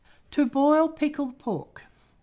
TO BOIL PICKLED PORK. 834.